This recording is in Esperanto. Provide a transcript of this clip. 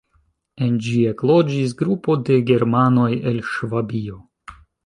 En ĝi ekloĝis grupo de germanoj el Ŝvabio.